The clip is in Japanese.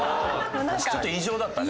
ちょっと異常だったね。